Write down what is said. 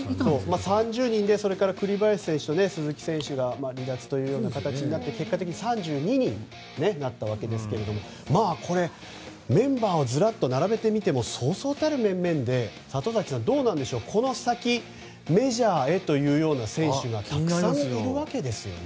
３０人で栗林選手と鈴木選手が離脱となり結果的に３２人になったんですがメンバーをずらっと並べてみてもそうそうたる面々でこの先メジャーへというような選手がたくさんいるわけですよね。